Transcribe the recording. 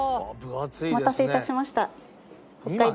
お待たせ致しました。